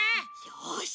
よし！